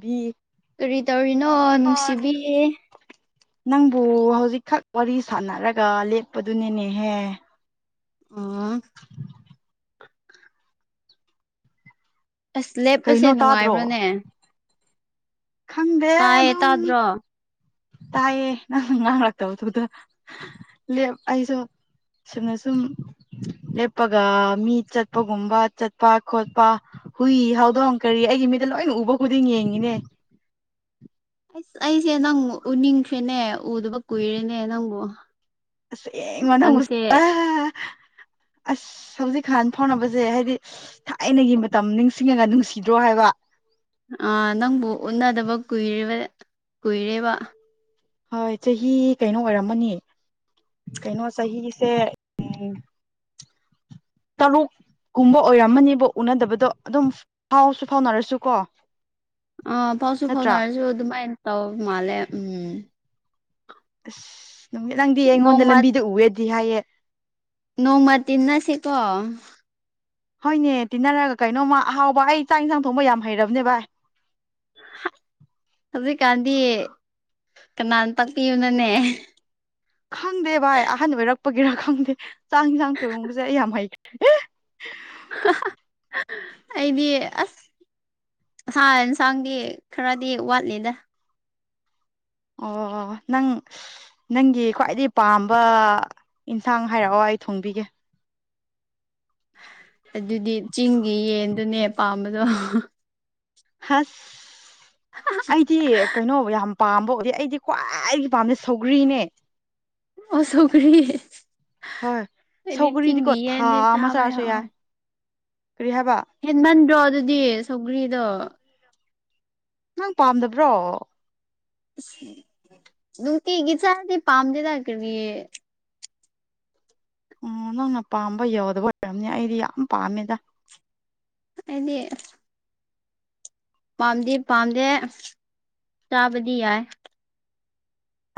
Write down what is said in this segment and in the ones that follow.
B ꯀꯔꯤ ꯇꯧꯔꯤꯅꯣ ꯍꯣꯏ ꯅꯨꯡꯁꯤꯕꯤ ꯅꯪꯕꯨ ꯍꯧꯖꯤꯛꯈꯛ ꯋꯥꯔꯤ ꯁꯥꯟꯅꯔꯒ ꯂꯦꯞꯄꯗꯨꯅꯤꯅꯦꯍꯦ ꯑꯣ ꯑꯁ ꯂꯦꯞꯄꯁꯦ ꯀꯩꯅꯣ ꯇꯥꯗ꯭ꯔꯣ ꯅꯨꯡꯉꯥꯏꯕ꯭ꯔꯅꯦ ꯇꯥꯏꯌꯦ ꯇꯥꯗ꯭ꯔꯣ ꯇꯥꯏꯦ ꯅꯪ ꯉꯥ [unintelligible] ꯂꯦꯞ ꯑꯩꯁꯨ ꯆꯨꯝꯅ ꯁꯨꯝ ꯂꯦꯞꯄꯒ ꯃꯤ ꯆꯠꯄꯒꯨꯝꯕ ꯆꯠꯄ ꯈꯣꯠꯄ ꯍꯨꯏ ꯍꯧꯗꯣꯡ ꯀꯔꯤ ꯑꯩꯒꯤ ꯃꯤꯠꯇ ꯂꯣꯏꯅ ꯎꯕ ꯈꯨꯗꯤꯡ ꯌꯦꯡꯉꯤꯅꯦ ꯑꯩꯁ ꯑꯩꯁꯦ ꯅꯪ ꯎꯅꯤꯡꯈ꯭ꯔꯦꯅꯦ ꯎꯗꯕ ꯀꯨꯏꯔꯦꯅꯦ ꯅꯪꯕꯨ [unintelligible] ꯑꯁ ꯅꯪꯁꯦ ꯍꯧꯖꯤꯛꯈꯥꯟ ꯐꯥꯎꯅꯕꯖꯦ ꯍꯥꯏꯗꯤ ꯊꯥꯏꯅꯒꯤ ꯃꯇꯝ ꯅꯤꯡꯁꯤꯡꯉꯒ ꯅꯨꯡꯁꯤꯗ꯭ꯔꯣ ꯍꯥꯏꯕ ꯑ ꯅꯪꯕꯨ ꯎꯅꯗꯕ ꯀꯨꯏꯔꯦ ꯀꯨꯏꯔꯦꯕ ꯍꯣꯏ ꯆꯍꯤ ꯀꯩꯅꯣ ꯑꯣꯏꯔꯝꯃꯅꯤ ꯀꯩꯅꯣ ꯆꯍꯤꯁꯦ ꯎꯝ ꯇꯔꯨꯛ ꯨꯀꯨꯝꯕ ꯑꯣꯏꯔꯝꯃꯅꯤꯕ ꯎꯅꯗꯕꯗꯣ ꯑꯗꯨꯝ ꯐꯥꯎꯁꯨ ꯐꯥꯎꯅꯔꯁꯨ ꯀꯣ ꯑ ꯐꯥꯎꯁꯨ ꯅꯠꯇ꯭ꯔꯥ ꯐꯥꯎꯅꯔꯁꯨ ꯑꯗꯨꯃꯥꯏꯅ ꯇꯧ ꯃꯥꯜꯂꯦ ꯎꯝ ꯑꯁ ꯅꯪꯗꯤ ꯑꯩꯉꯣꯟꯗ ꯅꯣꯡꯃ ꯂꯝꯕꯤꯗ ꯎꯋꯦꯗꯤ ꯍꯥꯏꯌꯦ ꯅꯣꯡꯃ ꯇꯤꯟꯅꯁꯤꯀꯣ ꯍꯣꯏꯅꯦ ꯇꯤꯟꯅꯔꯒ ꯀꯩꯅꯣꯝꯃ ꯑꯍꯥꯎꯕ ꯑꯩ ꯆꯥꯛ ꯏꯟꯖꯥꯡ ꯊꯣꯡꯕ ꯌꯥꯝ ꯍꯩꯔꯕꯅꯦ ꯚꯥꯏ ꯍꯥ ꯍꯧꯖꯤꯛꯀꯥꯟꯗꯤ ꯀꯅꯥ ꯇꯥꯛꯄꯤꯕꯅꯣꯅꯦ ꯈꯪꯗꯦ ꯚꯥꯏ ꯑꯍꯟ ꯑꯣꯏꯔꯛꯄꯒꯤꯔ ꯈꯪꯗꯦ ꯆꯥꯛ ꯏꯟꯁꯥꯡ ꯊꯣꯡꯣꯡꯕꯁꯦ ꯑꯩ ꯌꯥꯝ ꯍꯩꯈ꯭ꯔꯦ [unintelligible] ꯑꯩꯗꯤ ꯑꯁ [unintelligible] ꯌꯦꯟꯁꯥꯡꯗꯤ ꯈꯔꯗꯤ ꯋꯥꯠꯂꯤꯗ ꯑꯣꯑꯣ ꯅꯪ ꯅꯪꯒꯤ ꯈ꯭ꯋꯥꯏꯗꯒꯤ ꯄꯥꯝꯕ ꯏꯟꯁꯥꯡ ꯍꯥꯏꯔꯛꯑꯣ ꯑꯩ ꯊꯣꯡꯕꯤꯒꯦ ꯑꯗꯨꯗꯤ ꯆꯤꯡꯒꯤ ꯌꯦꯟꯗꯨꯅꯦ ꯄꯥꯝꯕꯗꯣ ꯍꯁ ꯑꯩꯗꯤ ꯀꯩꯅꯣ ꯌꯥꯝ ꯄꯥꯝꯕ ꯑꯣꯏ ꯑꯩꯗꯤ ꯈ꯭ꯋꯥꯏꯗꯒꯤ ꯄꯥꯝꯕ ꯁꯧꯒ꯭ꯔꯤꯅꯦ꯫ ꯑꯣ ꯁꯧꯒ꯭ꯔꯤ ꯍꯣꯏ ꯑꯩꯗꯤ ꯆꯤꯡꯒꯤ ꯁꯧꯒ꯭ꯔꯤꯗꯤꯀꯣ ꯊꯥ ꯌꯦꯟꯗꯤ ꯑꯃ ꯆꯥꯕ ꯆꯥꯔꯁꯨ ꯌꯥꯝ ꯌꯥꯏ ꯀꯔꯤ ꯍꯥꯏꯕ ꯍꯦꯟꯃꯟꯗ꯭ꯔꯣ ꯑꯗꯨꯗꯤ ꯁꯧꯒ꯭ꯔꯤꯗꯣ ꯅꯪ ꯄꯥꯝꯗꯕ꯭ꯔꯣ? ꯑꯁ ꯅꯨꯡꯇꯤꯒꯤ ꯆꯥꯔꯗꯤ ꯄꯥꯝꯗꯦꯗ ꯀꯔꯤ ꯑꯣ ꯅꯪꯅ ꯄꯥꯝꯕ ꯌꯧꯗꯕ ꯑꯣꯏꯔꯝꯅꯤ ꯑꯩꯗꯤ ꯌꯥꯝ ꯄꯥꯝꯃꯦꯗ꯫ ꯑꯩꯗꯤ ꯄꯥꯝꯗꯤ ꯄꯥꯝꯗꯦ ꯆꯥꯕꯗꯤ ꯌꯥꯏ꯫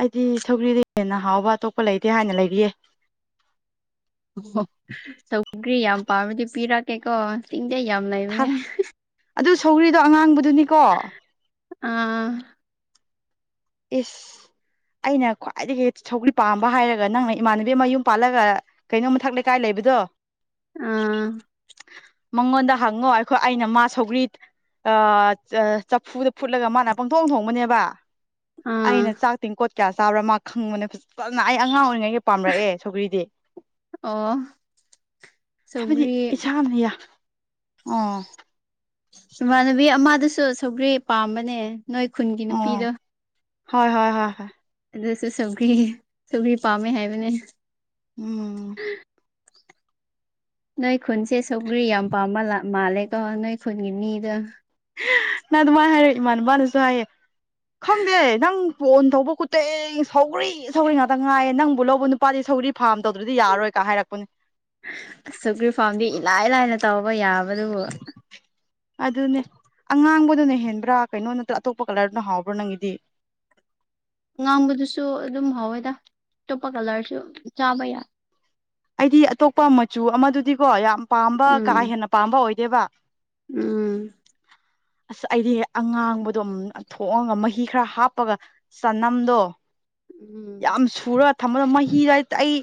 ꯑꯩꯗꯤ ꯁꯧꯒ꯭ꯔꯤꯗꯒꯤ ꯍꯦꯟꯅ ꯍꯥꯎꯕ ꯑꯇꯣꯞꯄ ꯂꯩꯇꯦ ꯍꯥꯏꯅ ꯂꯩꯔꯤꯌꯦ꯫ ꯑꯣ ꯁꯧꯒ꯭ꯔꯤ ꯌꯥꯝ ꯄꯥꯝꯃꯗꯤ ꯄꯤꯔꯛꯀꯦꯀꯣ ꯆꯤꯡꯗ ꯌꯥꯝ ꯂꯩꯕꯅꯦ ꯊꯥꯔ ꯫ ꯑꯗꯨ ꯁꯧꯒ꯭ꯔꯤꯗꯣ ꯑꯉꯥꯡꯕꯗꯨꯅꯤꯀꯣ ꯑꯥ ꯏꯁ ꯑꯩꯅ ꯈ꯭ꯋꯥꯏꯗꯒꯤ ꯁꯧꯒ꯭ꯔꯤ ꯄꯥꯝꯕ ꯍꯥꯏꯔꯒ ꯅꯪꯅ ꯏꯃꯥꯟꯅꯕꯤ ꯑꯃ ꯃꯌꯨꯝ ꯄꯥꯜꯂꯒ ꯀꯩꯅꯣ ꯃꯊꯛ ꯂꯩꯀꯥꯏ ꯂꯩꯕꯗꯣ ꯑꯥ ꯃꯉꯣꯟꯗ ꯍꯪꯉꯣ ꯑꯩꯈꯣꯏ ꯑꯩꯅ ꯃꯥ ꯁꯧꯒ꯭ꯔꯤ ꯑꯥ ꯆ ꯆꯐꯨꯗ ꯐꯨꯠꯂꯒ ꯃꯥꯅ ꯄꯪꯊꯣꯡ ꯊꯣꯡꯕꯅꯦꯕ ꯑꯥ ꯑꯩꯅ ꯆꯥꯛ ꯇꯦꯡꯀꯣꯠ ꯀꯌꯥ ꯆꯥꯕ꯭ꯔꯥ ꯃꯥ ꯈꯪꯕꯅꯦ ꯐꯖꯅ ꯑꯩ ꯑꯉꯥꯡ ꯑꯣꯏꯔꯤꯉꯩꯒ ꯄꯥꯝꯔꯛꯑꯦ ꯁꯧꯒ꯭ꯔꯤꯗꯤ꯫ ꯑꯣ ꯍꯥꯏꯕꯗꯤ ꯁꯧꯒ꯭ꯔꯤ ꯏꯁꯥꯅ ꯌꯥ ꯑꯣ ꯏꯃꯥꯟꯅꯕꯤ ꯑꯃꯗꯨꯁꯨ ꯁꯧꯒ꯭ꯔꯤ ꯄꯥꯝꯕꯅꯦ ꯅꯣꯏ ꯈꯨꯟꯒꯤ ꯑꯣ ꯅꯨꯄꯤꯗꯣ ꯍꯣꯏ ꯍꯣꯏ ꯍꯣꯏ ꯍꯣꯏ ꯑꯗꯨꯁꯨ ꯁꯧꯒ꯭ꯔꯤ ꯁꯧꯒ꯭ꯔꯤ ꯄꯥꯝꯃꯦ ꯍꯥꯏꯕꯅꯦ꯫ ꯎꯝ ꯅꯣꯏ ꯈꯨꯟꯁꯦ ꯁꯧꯒ꯭ꯔꯤ ꯌꯥꯝ ꯄꯥꯝꯕ ꯃꯥꯜꯂꯦꯀꯣ ꯅꯣꯏ ꯈꯨꯟꯒꯤ ꯃꯤꯗ ꯅꯪ ꯑꯗꯨꯃꯥꯏꯅ ꯍꯥꯏꯔꯛ ꯏꯃꯥꯅꯕꯥꯅꯁꯨ ꯍꯥꯏꯌꯦ ꯈꯪꯗꯦ ꯅꯪ ꯐꯣꯟ ꯇꯧꯕ ꯈꯨꯇꯤꯡ ꯁꯧꯒ꯭ꯔꯤ ꯁꯧꯒ꯭ꯔꯤ ꯉꯥꯛꯇ ꯉꯥꯏꯌꯦ ꯅꯪꯕꯨ ꯂꯧꯕ ꯅꯨ ꯄꯥꯗꯤ ꯁꯧꯒ꯭ꯔꯤ ꯐꯥꯔꯝ ꯇꯧꯗ꯭ꯔꯗꯤ ꯌꯥꯔꯣꯏ ꯀ ꯍꯥꯏꯔꯛꯄꯅꯦ꯫ ꯑꯁ ꯁꯧꯒ꯭ꯔꯤ ꯐꯥꯔꯝꯗꯤ ꯏꯂꯥꯏ ꯂꯥꯏꯅ ꯇꯧꯕ ꯌꯥꯕꯗꯨꯕꯨ ꯑꯗꯨꯅꯦ ꯑꯉꯥꯡꯕꯗꯨꯅ ꯍꯦꯟꯕ꯭ꯔꯥ ꯀꯩꯅꯣ ꯅꯠꯇ꯭ꯔ ꯑꯇꯣꯞꯄ ꯀꯂꯔꯗꯨꯅꯣ ꯍꯥꯎꯕ꯭ꯔꯥ ꯅꯪꯒꯤꯗꯤ? ꯉꯥꯡꯕꯗꯨꯁꯨ ꯑꯗꯨꯝ ꯍꯥꯎꯋꯦꯗ ꯑꯇꯣꯞꯄ ꯀꯂꯔꯁꯨ ꯆꯥꯕ ꯌꯥꯏ꯫ ꯑꯩꯗꯤ ꯑꯇꯣꯞꯄ ꯃꯆꯨ ꯑꯃꯗꯨꯗꯤꯀꯣ ꯌꯥꯝ ꯄꯥꯝꯕ ꯀꯥ ꯎꯝ ꯍꯦꯟꯅ ꯄꯥꯝꯕ ꯑꯣꯏꯗꯦꯕ꯫ ꯎꯝ ꯑꯁ ꯑꯩꯗꯤ ꯑꯉꯥꯡꯕꯗꯣ ꯊꯣꯡꯉꯒ ꯃꯍꯤ ꯈꯔ ꯍꯥꯞꯄꯒ ꯆꯅꯝꯗꯣ ꯎꯝ ꯌꯥꯝ ꯁꯨꯔ ꯊꯝꯃꯒ ꯃꯍꯤꯗ ꯑꯩ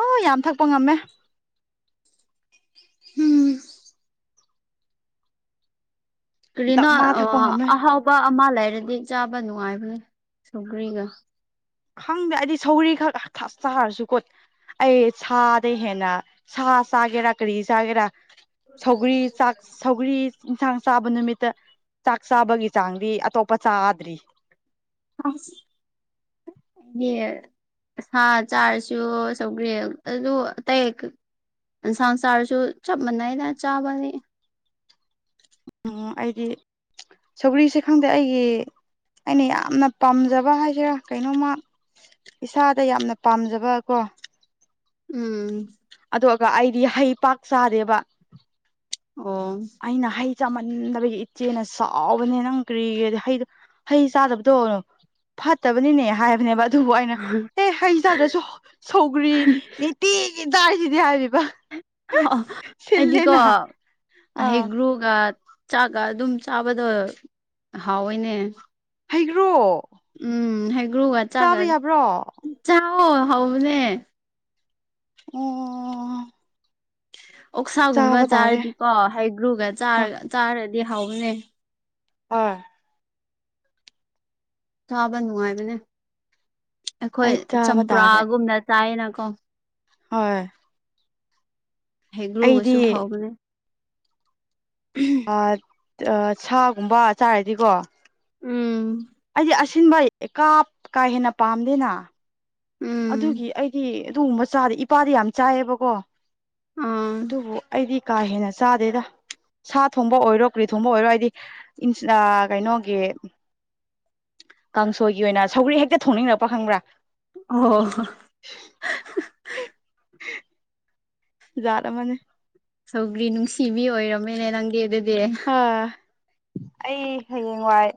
ꯑꯣ ꯌꯥꯝ ꯊꯛꯄ ꯉꯝꯃꯦ꯫ [unintelligible] ꯀꯔꯤꯅꯣ ꯗꯞ ꯃꯥ ꯊꯛꯄ ꯑꯥ ꯉꯝꯃꯦ ꯑꯍꯥꯎꯕ ꯑꯃ ꯂꯩꯔꯗꯤ ꯆꯥꯕ ꯅꯨꯡꯉꯥꯏꯕꯅꯤ ꯁꯧꯒ꯭ꯔꯤꯒ꯫ ꯈꯪꯗꯦ ꯑꯩꯗꯤ ꯁꯧꯔꯤ ꯈꯛ ꯆꯥꯔꯁꯨꯀꯣꯠ ꯑꯩ ꯁꯥꯗꯩ ꯍꯦꯟꯅ ꯁꯥ ꯆꯥꯒꯦꯔꯥ ꯀꯔꯤ ꯆꯥꯒꯦꯔꯥ ꯁꯧꯒ꯭ꯔꯤ ꯆꯥꯛꯁ ꯊꯧꯒ꯭ꯔꯤ ꯏꯟꯁꯥꯡ ꯆꯥꯕ ꯅꯨꯃꯤꯠꯇ ꯆꯥꯛ ꯆꯥꯕꯒꯤ ꯆꯥꯡꯗꯤ ꯑꯇꯣꯞꯄ ꯆꯥꯗ꯭ꯔꯤ꯫ [unintelligible] ꯁꯥ ꯆꯥꯔꯁꯨ ꯁꯧꯒ꯭ꯔꯤ ꯑꯗꯨ ꯑꯇꯩ ꯏꯟꯁꯥꯡ ꯆꯥꯔꯁꯨ ꯆꯞ ꯃꯥꯟꯅꯩꯗ ꯆꯥꯕꯅꯤ꯫ ꯎꯝ ꯑꯩꯗꯤ ꯁꯧꯒ꯭ꯔꯤꯁꯦ ꯈꯪꯗꯦ ꯑꯩꯒꯤ ꯑꯩꯅ ꯌꯥꯝꯅ ꯄꯥꯝꯖꯕ ꯍꯥꯏꯁꯤꯔꯥ ꯀꯩꯅꯣꯝꯃ ꯏꯁꯥꯗ ꯌꯥꯝꯅ ꯄꯥꯝꯖꯕ ꯀꯣ ꯎꯝ ꯑꯗꯨꯒ ꯑꯩꯗꯤ ꯍꯩ ꯄꯥꯛ ꯆꯥꯗꯦꯕ ꯑꯣ ꯑꯩꯅ ꯍꯩ ꯆꯥꯝꯃꯟꯗꯕꯒꯤ ꯏꯆꯦꯅ ꯁꯥꯎꯕꯅꯦ ꯅꯪ ꯀ꯭ꯔꯤꯒꯗꯤ ꯍꯩꯗꯣ ꯍꯩ ꯆꯥꯗꯕꯗꯣ ꯐꯠꯇꯕꯅꯤꯅꯦ ꯍꯥꯏꯕꯅꯦꯕ ꯑꯠ ꯑꯗꯨꯕꯨ ꯑꯩꯅ ꯑꯦ ꯍꯩ ꯆꯥꯗ꯭ꯔꯁꯨ ꯁꯧꯒ꯭ꯔꯤ ꯅꯤꯇꯤꯒꯤ ꯆꯥꯏꯁꯤꯗꯤ ꯍꯥꯏꯔꯤꯕꯥ ꯑꯩꯗꯤꯀꯣ ꯑꯥ ꯍꯩꯒ꯭ꯔꯨꯒ ꯆꯥꯛꯀ ꯑꯗꯨꯝ ꯆꯥꯕꯗꯣ ꯍꯥꯎꯋꯤꯅꯦ ꯍꯩꯒ꯭ꯔꯨ ꯎꯝ ꯍꯩꯒ꯭ꯔꯨꯒ ꯆꯥꯛꯀ ꯆꯥꯎꯋꯣ ꯍꯥꯎꯕꯅꯦ ꯑꯣ ꯑꯣꯛꯁꯥꯒꯨꯝꯕ ꯆꯥꯕ ꯇꯥꯔꯦ ꯆꯥꯔꯗꯤꯀꯣ ꯍꯩꯒ꯭ꯔꯨꯒ ꯆꯔ ꯍꯣꯏ ꯆꯥꯔꯗꯤ ꯍꯥꯎꯕꯅꯦ ꯑꯣꯏ ꯆꯥꯕ ꯅꯨꯡꯉꯥꯏꯕꯅꯦ ꯑꯩꯈꯣꯏ ꯑꯩ ꯆꯥꯕ ꯇꯥꯔꯦ ꯆꯝꯄ꯭ꯔꯥꯒꯨꯝꯅ ꯆꯥꯏꯌꯦꯅꯀꯣ ꯍꯣꯏ ꯍꯩꯒ꯭ꯔꯨ ꯑꯩꯗꯤ ꯒꯁꯨ ꯍꯥꯎꯕꯅꯦ ꯑꯥꯠ ꯑ ꯁꯥꯒꯨꯝꯕ ꯆꯥꯔꯗꯤꯀꯣ ꯎꯝ ꯑꯩꯗꯤ ꯑꯁꯤꯟꯕ ꯀꯥꯞ ꯀꯥ ꯍꯦꯟꯅ ꯄꯥꯝꯗꯦꯅꯥ ꯎꯝ ꯑꯗꯨꯒꯤ ꯑꯩꯗꯤ ꯑꯗꯨꯒꯨꯝꯕ ꯆꯥꯗꯤ ꯏꯄꯥꯗꯤ ꯌꯥꯝ ꯆꯥꯏꯌꯦꯕꯀꯣ ꯑꯥ ꯑꯗꯨꯕꯨ ꯑꯩꯗꯤ ꯀꯥ ꯍꯦꯟꯅ ꯆꯥꯗꯦꯗꯥ ꯁꯥ ꯊꯣꯡꯕ ꯑꯣꯏꯔꯣ ꯀ꯭ꯔꯤ ꯊꯣꯡꯕ ꯑꯣꯏꯔꯣ ꯑꯩꯗꯤ ꯏꯟꯁ ꯑ ꯀꯩꯅꯣꯒꯤ ꯀꯥꯡꯁꯣꯏꯒꯤ ꯑꯣꯏꯅ ꯁꯧꯒ꯭ꯔꯤ ꯍꯦꯛꯇ ꯊꯣꯡꯅꯤꯡꯂꯛꯄ ꯈꯪꯕ꯭ꯔꯥ ꯑꯣ [unintelligible] ꯖꯥꯠ ꯑꯃꯅꯤ ꯁꯧꯒ꯭ꯔꯤ ꯅꯨꯡꯁꯤꯕꯤ ꯑꯣꯏꯔꯝꯃꯦꯅꯦ ꯅꯪꯒꯤ ꯑꯗꯨꯗꯤ ꯍꯥ ꯑꯩ ꯍꯌꯦꯡꯋꯥꯏ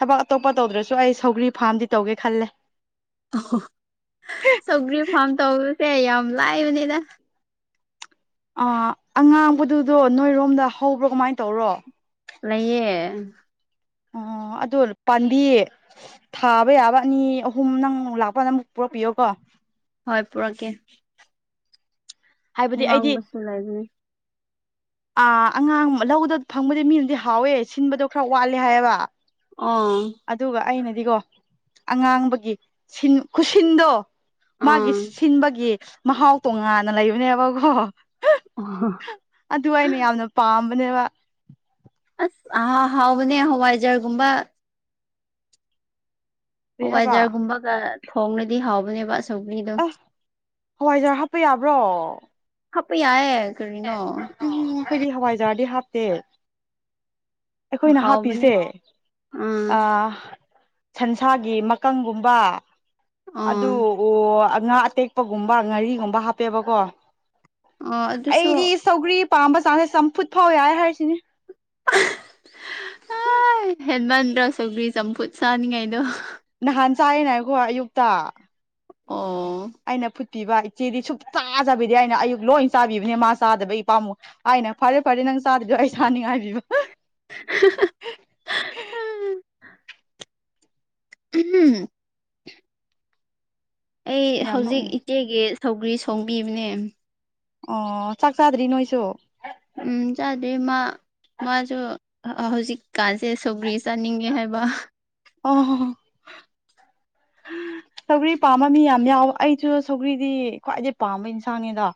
ꯊꯕꯛ ꯑꯇꯣꯞꯄ ꯇꯧꯗ꯭ꯔꯁꯨ ꯑꯩ ꯁꯧꯒ꯭ꯔꯤ ꯐꯥꯝꯗꯤ ꯇꯧꯒꯦ ꯈꯜꯂꯦ ꯑꯣ ꯁꯧꯒ꯭ꯔꯤ ꯐꯥꯔꯝ ꯇꯧꯕꯁꯦ ꯌꯥꯝ ꯂꯥꯏꯕꯅꯤꯅ ꯑ ꯑꯉꯥꯡꯕꯗꯨꯗꯣ ꯅꯣꯏꯔꯣꯝꯗ ꯍꯧꯕ꯭ꯔꯣ ꯀꯃꯥꯏꯟ ꯇꯧꯔꯣ ꯂꯩꯌꯦ ꯑꯣ ꯑꯗꯨꯔ ꯄꯥꯟꯕꯤ ꯊꯥꯕ ꯌꯥꯕ ꯑꯅꯤ ꯑꯍꯨꯝ ꯅꯪ ꯂꯥꯛꯄꯗ ꯑꯃꯨꯛ ꯄꯨꯔꯛꯄꯤꯌꯣ ꯀꯣ ꯍꯣꯏ ꯄꯨꯔꯛꯀꯦ ꯍꯥꯏꯕꯗꯤ ꯑꯩꯗꯤ ꯉꯥꯡꯕꯁꯨ ꯂꯩꯕꯅꯦ ꯑ ꯑꯉꯥꯡ ꯂꯧꯗ ꯐꯪꯕꯗꯤ ꯃꯤꯅꯗꯤ ꯍꯥꯎꯋꯦ ꯁꯤꯟꯕꯗꯣ ꯈꯔ ꯋꯥꯠꯂꯦ ꯍꯥꯏꯌꯦꯕ ꯑꯥ ꯑꯗꯨꯒ ꯑꯩꯅꯗꯤꯀꯣ ꯑꯉꯥꯡꯕꯒꯤ ꯁꯤꯟ ꯈꯨꯁꯤꯟꯗꯣ ꯃꯥꯒꯤ ꯑꯥ ꯁꯤꯟꯕꯒꯤ ꯃꯍꯥꯎ ꯇꯣꯉꯥꯟꯅ ꯂꯩꯕꯅꯦꯕꯀꯣ ꯑꯍꯥ ꯑꯗꯨ ꯑꯩꯅ ꯌꯥꯝꯅ ꯄꯥꯝꯕꯅꯦꯕ ꯑꯁ ꯑ ꯑꯍꯥꯎꯕꯅꯦ ꯍꯋꯥꯏꯖꯥꯔꯒꯨꯝꯕ ꯀꯔꯤ ꯍꯥꯏꯕ ꯍꯋꯥꯏꯖꯔꯒꯨꯝꯕꯒ ꯊꯣꯡꯂꯗꯤ ꯍꯥꯎꯕꯅꯦꯕ ꯁꯧꯒꯔ꯭ꯤꯗꯣ ꯍꯋꯥꯏꯖꯔ ꯍꯥꯞꯄ ꯌꯥꯕ꯭ꯔꯣ ꯍꯥꯞꯄ ꯌꯥꯏꯑꯦ ꯀꯔꯤꯅꯣ ꯎꯝ ꯑꯩꯈꯣꯏꯗꯤ ꯍꯋꯥꯏꯖꯥꯔꯗꯤ ꯍꯥꯞꯇꯦ ꯑꯩꯈꯣꯏꯅ ꯍꯥꯎꯕꯅꯦ ꯍꯥꯞꯄꯤꯁꯦ ꯎꯝ ꯁꯟꯁꯥꯒꯤ ꯃꯀꯪꯒꯨꯝꯕ ꯑꯗꯨ ꯑꯥ ꯑꯣ ꯉꯥ ꯑꯇꯦꯛꯄꯒꯨꯝꯕ ꯉꯥꯔꯤꯒꯨꯝꯕ ꯍꯥꯞꯄꯦꯕꯀꯣ ꯑꯣ ꯑꯗꯨꯁꯨ ꯑꯩꯗꯤ ꯁꯧꯒ꯭ꯔꯤ ꯄꯥꯝꯕ ꯆꯥꯡꯁꯦ ꯆꯝꯐꯨꯠ ꯐꯥꯎ ꯌꯥꯏ ꯍꯥꯏꯔꯤꯁꯤꯅꯦ ꯍꯦꯟꯃꯟꯗ꯭ꯔꯣ ꯁꯧꯒ꯭ꯔꯤ ꯆꯝꯐꯨꯠ ꯆꯥꯅꯤꯡꯉꯥꯏꯗꯣ ꯅꯍꯥꯟ ꯆꯥꯏꯔꯤꯅꯦ ꯑꯩꯈꯣꯏ ꯑꯌꯨꯛꯇꯥ ꯑꯣ ꯑꯩꯅ ꯐꯨꯠꯄꯤꯕ ꯏꯆꯦꯗꯤ ꯁꯨꯡꯛꯆꯥ ꯆꯥꯕꯤꯗꯦ ꯑꯩꯅ ꯑꯌꯨꯛ ꯂꯣꯏ ꯆꯥꯕꯤꯕꯅꯦ ꯃꯥ ꯆꯥꯗꯕꯒꯤ ꯄꯥꯥꯝꯃꯨꯏ ꯑꯩꯅ ꯐꯔꯦ ꯐꯔꯦ ꯅꯪ ꯆꯥꯗꯔꯗꯣ ꯑꯩ ꯆꯥꯅꯤꯡꯉꯥꯏꯒꯤꯅ ꯎꯝ [unintelligible] ꯑꯩ ꯌꯥꯝ ꯍꯧꯖꯤꯛ ꯅꯣꯛꯅꯤꯡꯉꯤ ꯏꯆꯦꯒꯤ ꯁꯧꯒ꯭ꯔꯤ ꯁꯣꯡꯕꯤꯕꯅꯦ ꯑꯣ ꯆꯥꯛ ꯆꯥꯗ꯭ꯔꯤ ꯅꯣꯏꯁꯨ ꯎꯝ ꯆꯥꯗꯔꯤ ꯃꯥ ꯃꯥꯁꯨ ꯍꯧꯖꯤꯛꯀꯥꯟꯁꯦ ꯁꯧꯒ꯭ꯔꯤꯁ ꯆꯥꯅꯤꯡꯉꯦ ꯍꯥꯏꯕ ꯑꯣ ꯁꯧꯒ꯭ꯔꯤ ꯄꯥꯝꯕ ꯃꯤ ꯌꯥꯝ ꯌꯥꯎ ꯑꯩꯁꯨ ꯁꯧꯒ꯭ꯔꯤꯗꯤ ꯈ꯭ꯋꯥꯏꯗꯩ ꯄꯥꯝꯕ ꯏꯟꯁꯥꯡꯅꯤꯗ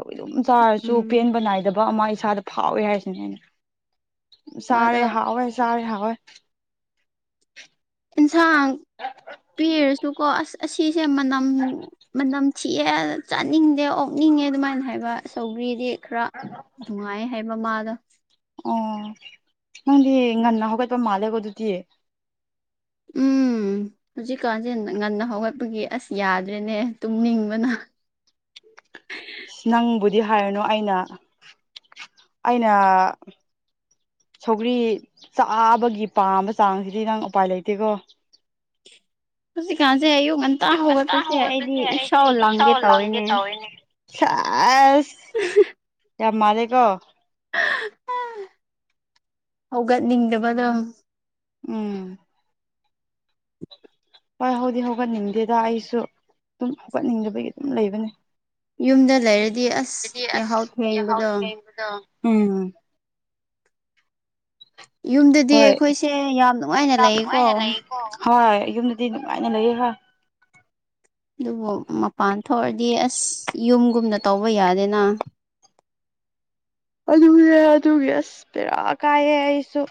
ꯍꯣꯏ ꯑꯗꯨꯝ ꯆꯥꯔꯁꯨ ꯎꯝ ꯄꯦꯟꯕ ꯅꯥꯏꯗꯕ ꯑꯃ ꯏꯁꯥꯗ ꯐꯥꯎꯋꯦ ꯍꯥꯏꯁꯤꯅꯦ ꯑꯩꯅ ꯆꯥꯔꯦ ꯃꯥꯗꯣ ꯍꯥꯎꯋꯦ ꯆꯥꯔꯦ ꯍꯥꯎꯋꯦ ꯏꯟꯁꯥꯡ ꯄꯤꯔꯁꯨꯀꯣ ꯑꯁ ꯑꯁꯤꯁꯦ ꯃꯅꯝ ꯃꯅꯝ ꯊꯤꯛꯑꯦ ꯆꯥꯅꯤꯡꯗꯦ ꯑꯣꯛꯅꯤꯡꯉꯦ ꯑꯗꯨꯃꯥꯏꯅ ꯍꯥꯏꯕ ꯆꯒ꯭ꯔꯤꯗꯤ ꯈꯔ ꯅꯨꯡꯉꯥꯏꯌꯦ ꯍꯥꯏ ꯃꯃꯥꯗꯣ꯫ ꯑꯣ ꯅꯪꯗꯤ ꯉꯟꯅ ꯍꯧꯒꯠꯄ ꯃꯥꯜꯂꯦꯀꯣ ꯑꯗꯨꯗꯤ꯫ ꯎꯝ ꯍꯧꯖꯤꯛꯀꯥꯟꯁꯦ ꯉꯟꯅ ꯍꯧꯒꯠꯄꯒꯤ ꯑꯁ ꯌꯥꯗ꯭ꯔꯦꯅꯦ ꯇꯨꯝꯅꯤꯡꯕꯅ ꯅꯪꯕꯨꯗꯤ ꯍꯥꯏꯔꯅꯨ ꯑꯩꯅ ꯑꯩꯅ꯫ ꯁꯧꯒ꯭ꯔꯤ ꯆꯥꯕꯒꯤ ꯄꯥꯝꯕ ꯆꯥꯡꯁꯤꯗꯤ ꯅꯪ ꯎꯄꯥꯏ ꯂꯩꯇꯦꯀꯣ꯫ ꯍꯧꯖꯤꯛ ꯀꯥꯥꯟꯁꯦ ꯑꯌꯨꯛ ꯉꯥꯟ ꯫ ꯑꯌꯨꯛ ꯉꯟꯇꯥ ꯍꯧꯒꯠꯄꯁꯦ ꯑꯩꯗꯤ ꯏꯁꯥꯎ ꯂꯥꯡꯒꯦ ꯇꯧꯋꯤꯅꯦ ꯇꯧꯋꯦꯅꯦ꯫ ꯁꯥꯖ ꯌꯥꯝ ꯃꯥꯜꯂꯦꯀꯣ꯫ ꯍꯧꯒꯠꯅꯤꯡꯗꯕꯗꯣ꯫ ꯎꯝ꯫ ꯍꯣꯏ ꯍꯥꯎꯗꯤ ꯍꯧꯒꯠꯅꯤꯡꯗꯦꯗ ꯑꯩꯁꯨ ꯑꯗꯨꯝ ꯍꯧꯒꯠꯅꯤꯡꯗꯕꯒꯤ ꯑꯗꯨꯝ ꯂꯩꯕꯅꯦ꯫ ꯌꯨꯝꯗ ꯂꯩꯔꯗꯤ ꯑꯁ ꯑꯗꯨꯗꯤ ꯌꯥꯍꯧ ꯑꯁ ꯌꯥꯍꯧ ꯊꯦꯡꯕꯗꯣ꯫ [inaudible] ꯎꯝ ꯌꯨꯝꯗꯗꯤ ꯍꯣꯏ ꯑꯩꯈꯣꯏꯁꯦ ꯌꯥꯝ ꯅꯨꯡꯉꯥꯏꯅ ꯌꯥꯝ ꯂꯩꯌꯦꯀꯣ꯫ ꯅꯨꯡꯉꯥꯏꯅ ꯂꯩꯀꯣ ꯍꯣꯏ ꯌꯨꯝꯗꯗꯤ ꯅꯨꯡꯉꯥꯏꯅꯥ ꯂꯩꯌꯦ ꯈꯣꯏ ꯑꯗꯨꯕꯨ ꯃꯄꯥꯟ ꯊꯣꯛꯑꯗꯤ ꯑꯁ ꯌꯨꯝꯒꯨꯝꯅ ꯇꯧꯕ ꯌꯥꯗꯦꯅ꯫ ꯑꯗꯨꯅꯦ ꯑꯗꯨꯒꯤ ꯑꯁ ꯕꯦꯔꯥ ꯀꯥꯏꯌꯦ ꯑꯩꯁꯨ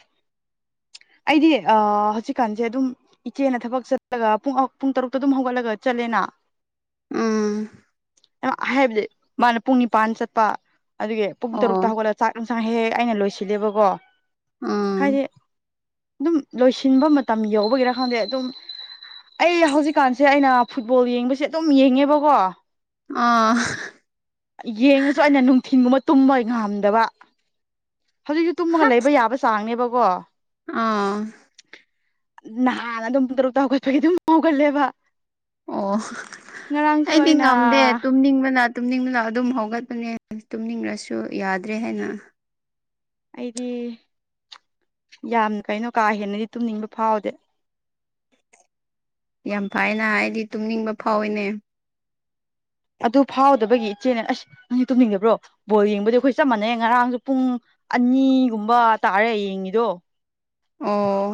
ꯑꯩꯗꯤ ꯑꯥ ꯍꯧꯖꯤꯛꯀꯥꯟꯁꯦ ꯑꯗꯨꯝ꯫ ꯏꯆꯦꯅ ꯊꯕꯛ ꯆꯠꯄꯥꯒ ꯄꯨꯡ ꯇꯔꯨꯛꯇ ꯑꯗꯨꯝ ꯍꯧꯒꯠꯂꯒ ꯆꯠꯂꯦꯅ꯫ [inaudible] [unintelligible] ꯍꯥꯕꯗꯤ ꯃꯅꯥ ꯄꯨꯡ ꯅꯤꯄꯥꯟ ꯆꯠꯄ ꯑꯗꯨꯒꯤ ꯄꯨꯡ ꯇꯔꯨꯛꯇ ꯑꯣ ꯍꯧꯒꯠꯂꯒ ꯆꯥꯛ ꯍꯦꯟꯁꯥꯡ ꯍꯦꯛ ꯍꯦꯛ ꯑꯩꯅ ꯂꯣꯏꯁꯤꯂꯦꯕꯀꯣ ꯎꯝ ꯍꯥꯏꯗꯤ꯫ ꯑꯗꯨꯝ ꯂꯣꯏꯁꯤꯟꯕ ꯃꯇꯝ ꯌꯧꯕꯒꯤꯔꯥ ꯈꯪꯗꯦ ꯑꯗꯨꯝ꯫ ꯑꯩ ꯍꯧꯖꯤꯛꯀꯥꯟꯁꯦ ꯑꯩꯅ ꯐꯨꯠꯕꯣꯜ ꯌꯦꯡꯕꯁꯦ ꯑꯗꯨꯝ ꯌꯦꯡꯉꯦꯕꯀꯣ꯫ [inaudible] ꯌꯦꯡꯉꯁꯨ ꯑꯩꯅ ꯅꯨꯡꯊꯤꯟꯒꯨꯝꯕ ꯇꯨꯝꯕ ꯉꯥꯝꯗꯕ꯫ ꯍꯧꯖꯤꯛꯁꯨ ꯇꯨꯝꯃꯒ ꯂꯩꯕ ꯌꯥꯕ ꯆꯥꯡꯅꯦꯕꯀꯣ꯫ ꯑꯥ ꯅꯍꯥꯟꯅ ꯑꯗꯨꯝ ꯄꯨꯡ ꯇꯔꯨꯛꯇ ꯍꯧꯒꯠꯄꯒꯤ ꯑꯗꯨꯝ ꯍꯧꯒꯠꯂꯦꯕ꯫ ꯑꯣ ꯉꯔꯥꯡꯁꯨ ꯑꯩꯗꯤ ꯑꯩꯅ ꯉꯝꯗꯦ ꯇꯨꯝꯅꯤꯡꯕꯅꯥ꯫ ꯇꯨꯝꯅꯤꯡꯂꯥ ꯑꯗꯨꯝ ꯍꯧꯒꯠꯄꯅꯦ ꯇꯨꯝꯅꯤꯡꯂꯁꯨ ꯌꯥꯗ꯭ꯔꯦ ꯍꯥꯏꯅ꯫ ꯑꯩꯗꯤ ꯌꯥꯝ ꯀꯩꯅꯣ ꯀꯥ ꯍꯦꯟꯅꯗꯤ ꯇꯨꯝꯅꯤꯡꯕ ꯐꯥꯎꯗꯦ꯫ ꯌꯥꯝ ꯐꯥꯏꯅ ꯑꯩꯗꯤ ꯇꯨꯝꯅꯤꯡꯕ ꯐꯥꯎꯋꯤꯅꯦ꯫ ꯑꯗꯨ ꯐꯥꯎꯗꯕꯒꯤ ꯏꯆꯦꯅꯥ ꯑꯁ ꯅꯪꯗꯤ ꯇꯨꯝꯅꯤꯡꯗꯕꯣ ꯕꯣꯜ ꯌꯦꯡꯕꯁꯦ ꯑꯩꯈꯣꯏ ꯆꯥꯞꯃꯟꯅꯩ ꯌꯦ꯫ ꯉꯔꯥꯡꯁꯨ ꯄꯨꯡ ꯑꯅꯤꯒꯨꯝꯕ ꯇꯥꯔꯦ ꯌꯦꯡꯉꯤꯗꯣ꯫ ꯑꯣ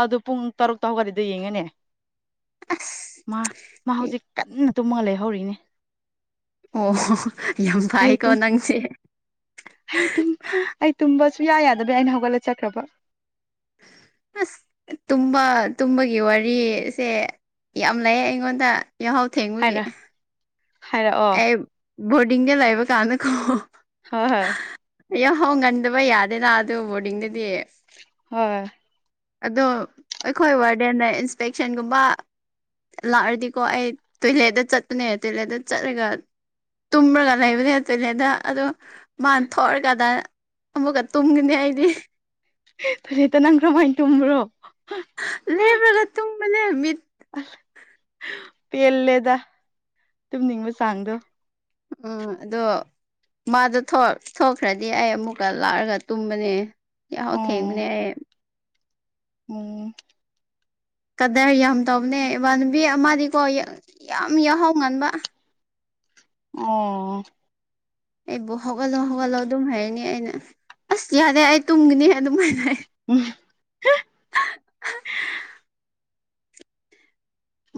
ꯑꯗꯨ ꯄꯨꯡ ꯇꯔꯨꯛꯇꯥ ꯍꯧꯎꯒꯥꯠꯂꯥꯗꯤ ꯌꯦꯡꯉꯦꯅꯦ ꯑꯁ ꯃꯥ ꯃꯥ ꯍꯧꯖꯤꯛ ꯀꯟꯅ꯫ ꯇꯨꯝꯃꯒꯥ ꯂꯩꯍꯧꯔꯤꯅꯦ꯫ ꯑꯣꯣ ꯌꯥꯝ ꯑꯩ ꯐꯩꯀꯣ ꯇꯨꯝ ꯅꯪꯁꯦ꯫ ꯑꯩ ꯇꯨꯝ ꯑꯩ ꯇꯨꯝꯕ ꯁꯨꯌꯥ ꯌꯥꯗꯕ ꯑꯩꯅ ꯍꯧꯒꯠꯂꯥ ꯆꯠꯈ꯭ꯔꯕ꯫ [inaudible] ꯇꯨꯝꯕ ꯇꯨꯝꯕꯒꯤ ꯋꯥꯔꯤꯁꯦ ꯌꯥꯝ ꯂꯩ ꯑꯩꯉꯣꯟꯗ꯫ ꯌꯥꯍꯧ ꯊꯦꯡꯕꯥꯒꯤ꯫ ꯍꯥꯏꯔ ꯍꯥꯏꯔꯛꯑꯣ ꯑꯦ ꯕꯣꯔꯗꯤꯡꯗ ꯂꯩꯕ ꯀꯥꯟꯗꯥ ꯀꯣ꯫ [unintelligible] ꯌꯥꯍꯥꯎ ꯉꯟꯗꯕ ꯌꯥꯗꯦꯅ ꯑꯗꯨ ꯕꯣꯔꯗꯤꯡꯗꯗꯤ꯫ ꯍꯣꯏ ꯑꯗꯣ ꯑꯩꯈꯣꯏ ꯋꯥꯔꯗꯦꯟꯅꯥ ꯏꯟꯁꯄꯦꯛꯁꯟꯒꯨꯝꯕ꯫ ꯂꯥꯛꯔꯗꯤꯀꯣ ꯑꯩ ꯇꯣꯏꯂꯦꯠꯇ ꯆꯠꯄꯅꯦ ꯇꯣꯏꯂꯦꯠꯇ ꯆꯠꯂꯒ꯫ ꯇꯨꯝꯔꯒ ꯂꯩꯕꯅꯦ ꯇꯣꯏꯂꯦꯠꯇ ꯑꯗꯨ ꯃꯥꯅ ꯊꯣꯛꯔꯀꯟꯗ꯫ ꯑꯃꯨꯛꯀ ꯇꯨꯝꯒꯅꯤ ꯑꯩꯗꯤ ꯇꫭꯏꯔꯦꯇꯅ ꯅꯪ ꯀꯃꯥꯏꯅ ꯇꯨꯝꯕ꯭ꯔꯣ ꯂꯦꯞꯂꯒ ꯇꯨꯡꯕꯅꯦ ꯃꯤꯠ ꯄꯦꯜꯂꯦꯗ ꯇꯨꯝꯅꯤꯡꯕ ꯆꯥꯡꯗꯣ ꯎꯝ ꯑꯗꯣ ꯃꯥꯗꯣ ꯊꫭꯛ ꯊꯣꯛꯈ꯭ꯔꯗꯤ ꯑꯩ ꯑꯃꯨꯛꯀ ꯂꯥꯛꯑꯒ ꯇꯨꯝꯕꯅꯦ ꯌꯥꯍꯧ ꯊꯦꯡꯕꯅꯦ ꯑꯩ ꯑꯣ ꯀꯗꯔ ꯌꯥꯝ ꯇꯧꯕꯅꯦ ꯏꯃꯟꯅꯕꯤ ꯑꯃꯗꯤꯀꯣ ꯌꯥꯝ ꯌꯥꯍꯧ ꯉꯟꯕꯥ ꯑꯣ ꯑꯩꯕꯨ ꯍꯧꯒꯠꯂꯣ ꯍꯧꯒꯠꯂꯣ ꯑꯗꯨꯝ ꯍꯥꯏꯔꯅꯤ ꯑꯩꯅ ꯑꯁ ꯌꯥꯔꯦ ꯑꯩ ꯇꯨꯝꯒꯤꯅꯤ ꯑꯗꯨꯃꯥꯏꯅ ꯍꯥꯏ ꯎꯝ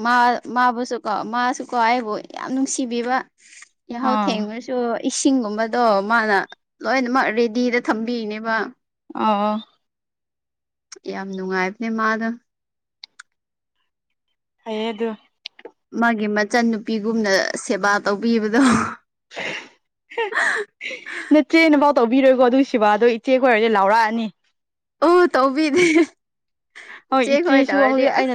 ꯃꯥ ꯃꯥꯕꯨꯁꯨ ꯀꯣ ꯃꯥꯁꯨ ꯀꯣ ꯑꯩꯕꯨ ꯌꯥꯝ ꯅꯨꯡꯁꯤꯕꯤꯕ ꯌꯥꯍꯧ ꯑꯥ ꯊꯦꯡꯉꯨꯔꯁꯨ ꯏꯁꯤꯡꯒꯨꯝꯕꯗꯣ ꯃꯥꯅ ꯂꯣꯏꯅꯃꯛ ꯔꯦꯗꯤꯗ ꯊꯝꯕꯤꯔꯤꯅꯦꯕ ꯑꯣ ꯌꯥꯝ ꯅꯨꯡꯉꯥꯏꯕꯅꯦ ꯃꯥꯗꯣ ꯍꯩꯌꯦ ꯑꯗꯨ ꯃꯥꯒꯤ ꯃꯆꯟ ꯅꯨꯄꯤꯒꯨꯝꯅ ꯁꯦꯕꯥ ꯇꯧꯕꯤꯕꯗꯣ ꯍꯦ ꯅꯆꯦꯅ ꯄꯥꯎ ꯇꯧꯕꯤꯔꯣꯏꯀꯣ ꯑꯗꯨꯒꯤ ꯁꯦꯕ ꯑꯗꯣ ꯏꯆꯦꯒꯣꯏ ꯑꯣꯏꯔꯗꯤ ꯂꯥꯎꯔꯛꯑꯅꯤ ꯑꯣ ꯇꯧꯕꯤꯗꯦ ꯍꯣꯏ ꯆꯦ ꯈꯣꯏ ꯏꯆꯦꯁꯨ ꯇꯧꯔꯗꯤ ꯍꯧꯖꯤꯛ ꯑꯁ ꯑꯩꯅ